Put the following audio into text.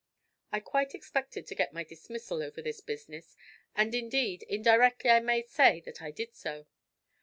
I quite expected to get my dismissal over this business, and indeed, indirectly I may say that I did so.